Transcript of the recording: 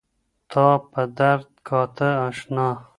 تا په درد كاتــه اشــنـا